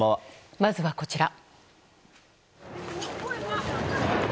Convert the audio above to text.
まずは、こちら。